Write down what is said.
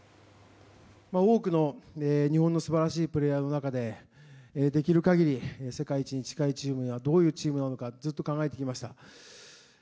多くの日本の素晴らしいプレーヤーの中でできる限り世界一に近いチームにはどういうチームなのかをずっと考えてきました。